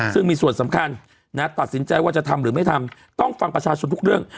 ซึ่งมีส่วนสำคัญตัดสินใจว่าจะทำหรือไม่ทำต้องฟังประชาชนทุกเรื่อง